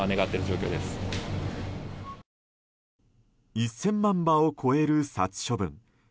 １０００万羽を超える殺処分。